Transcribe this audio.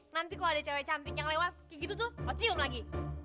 nanti kalau ada cewek cantik yang lewat kayak gitu tuh mau cium lagi